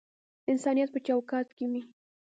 انسانیت په چوکاټ کښی وی